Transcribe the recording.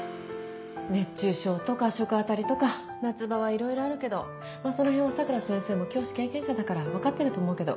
熱中症とか食あたりとか夏場はいろいろあるけどまぁそのへんは佐倉先生も教師経験者だから分かってると思うけど。